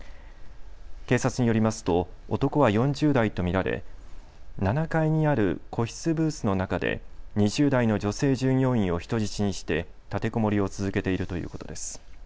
警察によりますと男は４０代と見られ７階にある個室ブースの中で２０代の女性従業員を人質にして立てこもりを続けているということです。